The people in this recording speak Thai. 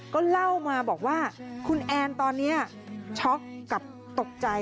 ก็เล่ามาบอกว่าคุณแอนตอนนี้ช็อกกับตกใจ